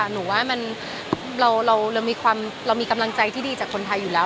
หนูว่าเรามีกำลังใจที่ดีจากคนไทยอยู่แล้ว